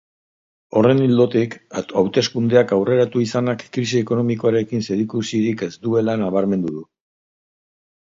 Horren ildotik, hauteskundeak aurreratu izanak krisi ekonomikoarekin zerikusirik ez duela nabarmendu du.